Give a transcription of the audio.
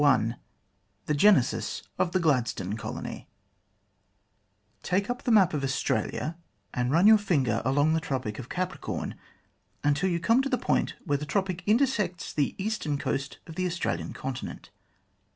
CHAPTER I THE GENESIS OF THE GLADSTONE COLONY TAKE up the map of Australia and run your finger along the Tropic of Capricorn until you come to the point where the tropic intersects the eastern coast of the Australian conti nent.